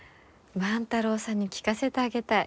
万太郎さんに聞かせてあげたい。